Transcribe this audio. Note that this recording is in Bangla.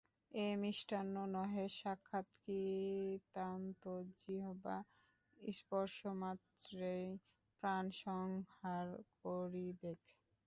এ মিষ্টান্ন নহে — সাক্ষাৎ কৃতান্ত, জিহ্বা স্পর্শমাত্রেই প্রাণসংহার করিবেক।